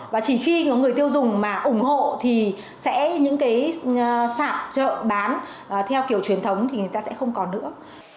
và chỉ khi người tiêu dùng mà ủng hộ thì sẽ những cái sản chợ bán theo kiểu truyền thống thì người ta sẽ không còn nữa